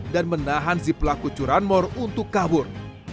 dan menahan si pelaku curanmor untuk kabur